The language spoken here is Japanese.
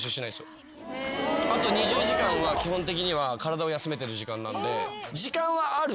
あと２０時間は基本的には体を休めてる時間なんで。